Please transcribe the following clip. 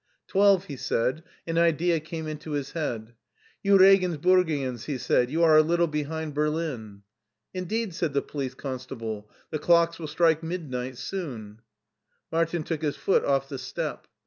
Twelve/' he said, and an idea came into his head. You Regensburgians," he said, "you are a little behind Berlin." "Indeed/* said the police constable, "the docks will strike midnight soon/' Martin took his foot off the step.